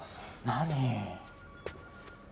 何？